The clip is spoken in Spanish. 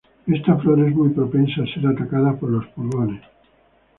Esta flor es muy propensa a ser atacada por los pulgones.